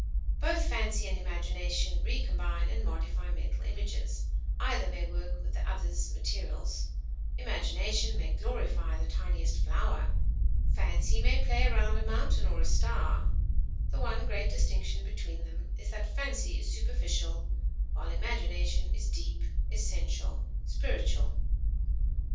Both fancy and imagination recombine and modify mental images; either may work with the other's materials; imagination may glorify the tiniest flower; fancy may play around a mountain or a star; the one great distinction between them is that fancy is superficial, while imagination is deep, essential, spiritual.